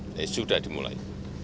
ini sudah dimulai